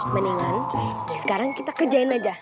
mendingan sekarang kita kerjain aja